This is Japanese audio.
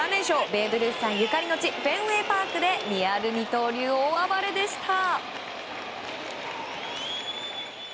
ベーブ・ルースさんゆかりの地フェンウェイ・パークでリアル二刀流、大暴れでした！